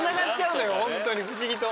不思議と。